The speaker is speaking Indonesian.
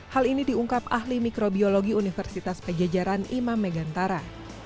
hal ini diungkap ahli mikrobiologi universitas pejajaran imam megantara